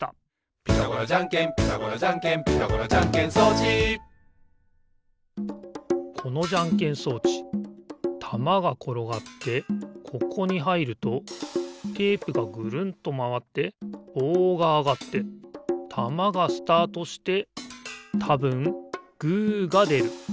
「ピタゴラじゃんけんピタゴラじゃんけん」「ピタゴラじゃんけん装置」このじゃんけん装置たまがころがってここにはいるとテープがぐるんとまわってぼうがあがってたまがスタートしてたぶんグーがでる。